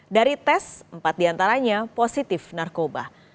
dari tes empat diantaranya positif narkoba